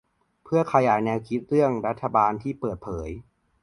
เพื่อขยายแนวคิดเรื่องรัฐบาลที่เปิดเผย